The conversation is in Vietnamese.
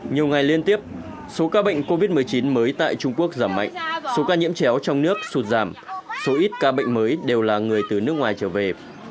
nhiều ngày liên tiếp số ca bệnh covid một mươi chín mới tại trung quốc giảm mạnh số ca nhiễm chéo trong nước sụt giảm số ít ca bệnh mới đều là người từ nước ngoài trở về